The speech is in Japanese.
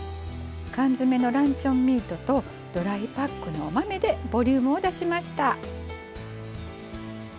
缶詰のランチョンミートとドライパックのお豆でボリュームを出しました。